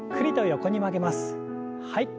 はい。